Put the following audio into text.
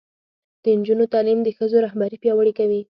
د نجونو تعلیم د ښځو رهبري پیاوړې کوي.